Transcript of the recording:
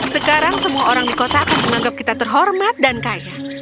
sekarang semua orang di kota akan menganggap kita terhormat dan kaya